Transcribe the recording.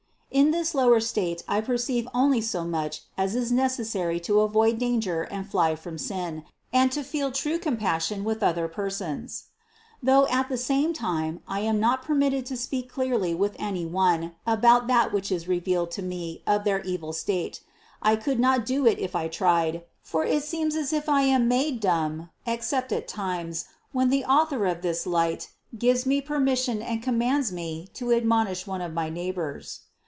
In this lower state I perceive only so much as is necessary to avoid danger and fly from sin, and to feel true compassion with other persons, though at the same time I am not permitted to speak clearly with any one about that which is revealed to me of their evil state^r^rcpuld not do it if I tried, for THE CONCEPTION 41 it seems as if I am made dumb, except at times, when the Author of this light gives me permission and commands me to admonish one of my neighbors.